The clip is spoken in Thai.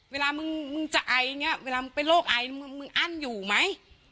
เวลามึงจะไอเวลามึงเป็นโรคไอมึงอั้นอยู่ไหม